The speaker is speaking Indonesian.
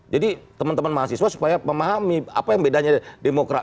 jadi teman teman mahasiswa supaya memahami apa yang bedanya